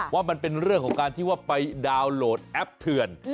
ว่ามันเป็นเรื่องของการที่ว่าไปดาวน์โหลดแอปเถือน